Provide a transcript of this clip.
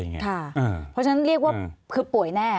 เพราะฉะนั้นเรียกว่าคือป่วยแน่